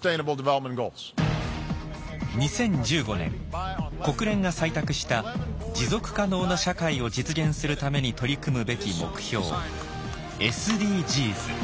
２０１５年国連が採択した持続可能な社会を実現するために取り組むべき目標ＳＤＧｓ。